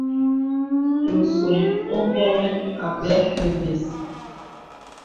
Nsòm o bɔ̄ŋi abɛ nə̀ bès.